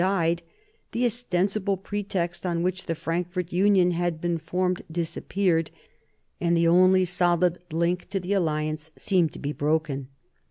died, the ostensible pretext on which the Frankfort union had been formed disappeared, and the only solid link in the alliance seemed to be broken.